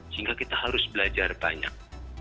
sehingga kita harus belajar banyak